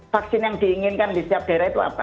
vaksin yang diinginkan di setiap daerah itu apa